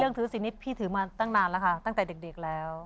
เรื่องถือศิลป์นี่พี่ถือมาตั้งนานละค่ะตั้งแต่เด็กแล้ว